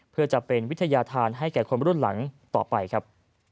เพื่อจะเป็นวิทยาธารให้แก่คนรุ่นหลังต่อไปครับ